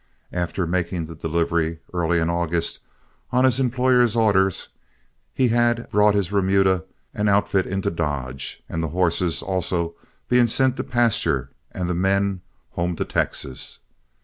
After making the delivery, early in August, on his employer's orders, he had brought his remuda and outfit into Dodge, the horses being also sent to pasture and the men home to Texas.